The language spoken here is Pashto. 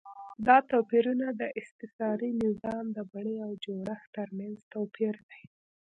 دا توپیرونه د استثاري نظام د بڼې او جوړښت ترمنځ توپیر دی.